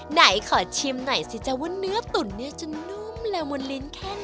ไหนขอชิมหน่อยสิจ๊ะว่าเนื้อตุ๋นเนี่ยจะนุ่มละมุนลิ้นแค่ไหน